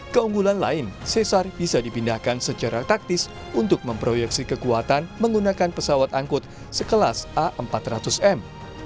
keunggulan lain cesar bisa dipindahkan secara taktis untuk memproyeksi kekuatan menggunakan pesawat angkut sekelas a empat ratus m